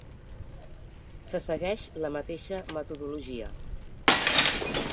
Se segueix la mateixa metodologia.